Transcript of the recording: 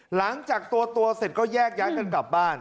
หลังจากตัวเสร็จก็แยกย้ายกันกลับบ้าน